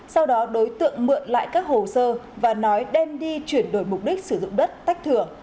sau đó đối tượng mượn lại các hồ sơ và nói đem đi chuyển đổi mục đích sử dụng đất tách thừa